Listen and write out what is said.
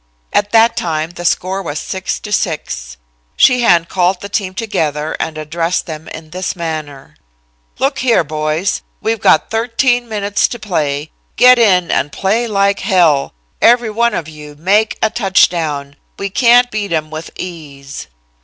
At that time the score was 6 to 6. Sheehan called the team together and addressed them in this manner: "Look here, boys, we've got thirteen minutes to play. Get in and play like hell. Every one of you make a touchdown. We can beat 'em with ease."